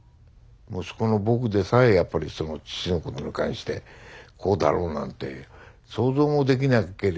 息子の僕でさえやっぱりその父のことに関してこうだろうなんて想像もできなければ。